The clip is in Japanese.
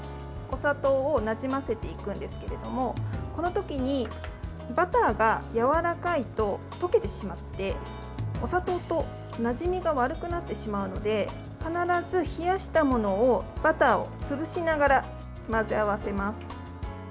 砂糖をなじませていくんですけどこの時にバターがやわらかいと溶けてしまってお砂糖となじみが悪くなってしまうので必ず、冷やしたものをバターを潰しながら混ぜ合わせます。